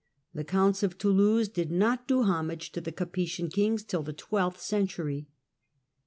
The Counts of Toulouse did not do homage to the Capetian kings till the twelfth century.